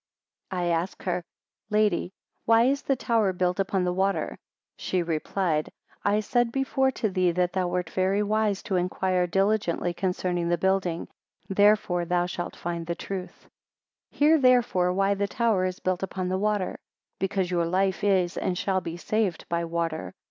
41 I asked her, Lady, why is the tower built upon the water? She replied, I said before to thee that thou wert very wise to inquire diligently concerning the building, therefore thou shalt find the truth. 42 Hear therefore why the tower is built upon the water: because your life is and shall be saved by water.